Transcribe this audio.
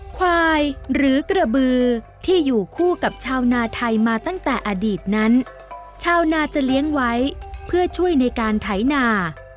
ควายหรือกระบือที่อยู่คู่กับชาวนาไทยมาตั้งแต่อดีตนั้นชาวนาจะเลี้ยงไว้เพื่อช่วยในการไถนา